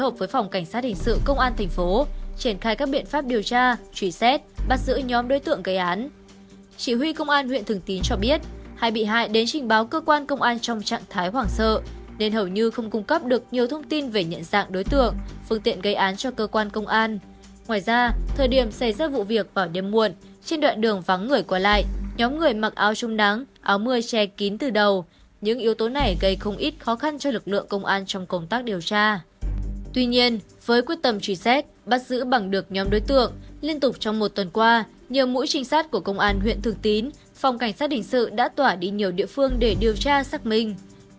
bắt giữ bằng được nhóm đối tượng liên tục trong một tuần qua nhiều mũi trinh sát của công an huyện thường tín phòng cảnh sát đình sự đã tỏa đi nhiều địa phương để điều tra xác minh